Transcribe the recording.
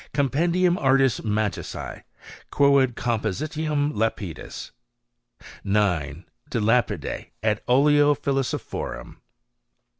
Compendium Artis Magicse, quoad Composi tionem Lapidis. 9. De Lapide et Oleo Philosophorum.